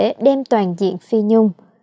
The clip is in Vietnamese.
hương đã đem toàn diện phi nhung